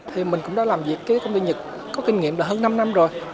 thì mình cũng đã làm việc với công ty nhật có kinh nghiệm là hơn năm năm rồi